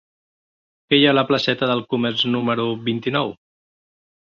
Què hi ha a la placeta del Comerç número vint-i-nou?